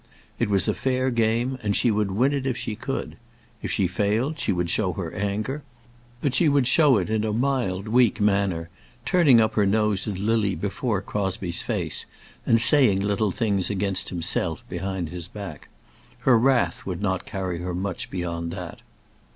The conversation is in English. It was a fair game, and she would win it if she could. If she failed, she would show her anger; but she would show it in a mild, weak manner, turning up her nose at Lily before Crosbie's face, and saying little things against himself behind his back. Her wrath would not carry her much beyond that.